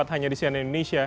hanya di cnn indonesia